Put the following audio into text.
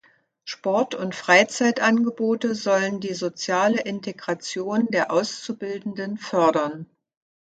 Sport- und Freizeitangebote sollen die soziale Integration der Auszubildenden fördern.